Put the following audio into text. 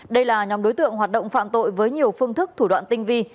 đây là nhóm đối tượng hoạt động phạm tội với nhiều phương thức thủ đoạn tinh vi